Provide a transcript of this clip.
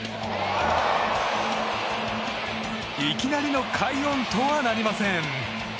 いきなりの快音とはなりません。